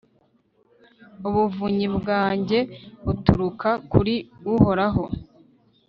ubuvunyi bwanjye buturuka kuri uhoraho